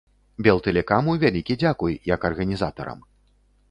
Белтэлекаму вялікі дзякуй, як арганізатарам.